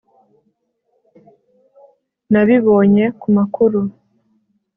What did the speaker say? Nabibonye kumakuru